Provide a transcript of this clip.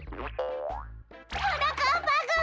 はなかっぱくん！